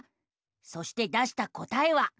そして出した答えは。